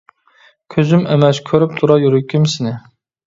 كۆزۈم ئەمەس، كۆرۈپ تۇرار يۈرىكىم سېنى.